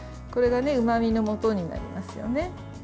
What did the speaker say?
これがうまみのもとになりますね。